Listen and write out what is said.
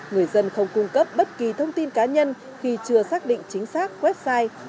người dân không cung cấp bất kỳ thông tin cá nhân khi chưa xác định chính xác website